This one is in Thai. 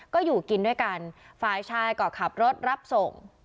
ก็อยู่กินด้วยกันฝ่ายชายก็ขับรถรับส่ง